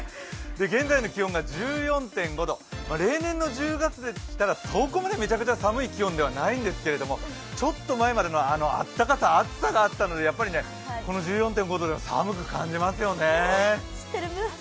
現在の気温が１４．５度、例年の１０月ですとそこまでめちゃくちゃ寒い気温ではないんですけれどもちょっと前までのあの暖かさ暑さがあったのでやっぱりね、この１４．５度が寒く感じますよね。